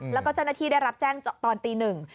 แล้วก็เจ้าหน้าที่ได้รับแจ้งตอนตีหนึ่ง